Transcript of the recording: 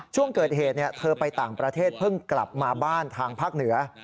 ช่วงเกิดเหตุเธอไปต่างประเทศเพิ่งกลับมาบ้านทางภาคเหนือ